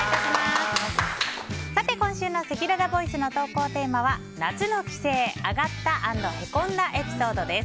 今週のせきららボイスの投稿テーマは夏の帰省アガった＆へこんだエピソードです。